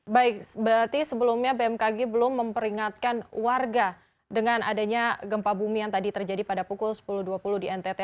baik berarti sebelumnya bmkg belum memperingatkan warga dengan adanya gempa bumi yang tadi terjadi pada pukul sepuluh dua puluh di ntt